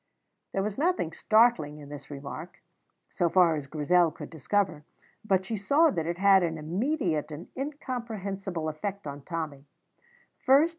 There was nothing startling in this remark, so far as Grizel could discover; but she saw that it had an immediate and incomprehensible effect on Tommy.